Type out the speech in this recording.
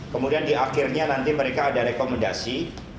kemudian di akhirnya nanti mereka ada rekomendasi